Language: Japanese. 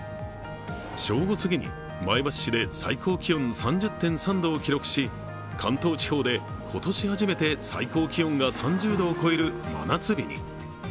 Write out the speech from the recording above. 正午過ぎに前橋市で最高気温３０．３度を記録し、関東地方で今年初めて最高気温が３０度を超える真夏日に。